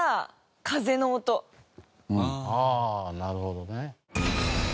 ああなるほどね。